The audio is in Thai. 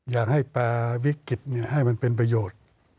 อยากให้แปรวิกฤตให้มันเป็นประโยชน์